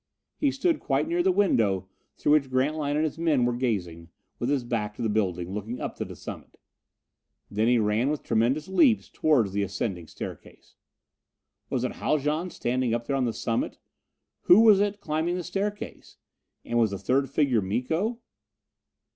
He stood quite near the window through which Grantline and his men were gazing, with his back to the building, looking up to the summit. Then he ran with tremendous leaps toward the ascending staircase. Was it Haljan standing up there on the summit? Who was it climbing the staircase? And was the third figure Miko?